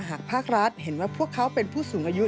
หากภาครัฐเห็นว่าพวกเขาเป็นผู้สูงอายุ